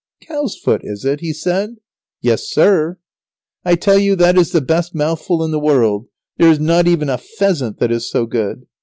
"Cow's foot, is it?" he said. "Yes, sir!" "I tell you that is the best mouthful in the world, there is not even a pheasant that is so good."